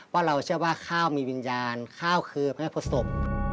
เราเชื่อว่าข้าวมีวิญญาณข้าวคือพระพศพ